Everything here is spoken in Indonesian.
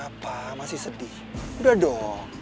kamu perlahan lahan mencoba untuk duduk